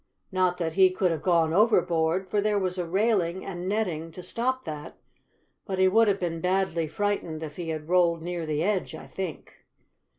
Not that he could have gone overboard, for there was a railing and netting to stop that, but he would have been badly frightened if he had rolled near the edge, I think.